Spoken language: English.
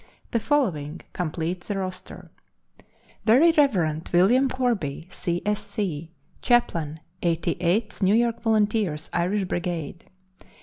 The following complete the roster: Very Rev. William Corby, C. S. C., chaplain Eighty eighth New York Volunteers, Irish Brigade.